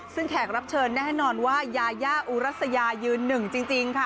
ซึ่งแขกรับเชิญแน่นอนว่ายายาอุรัสยายืนหนึ่งจริงค่ะ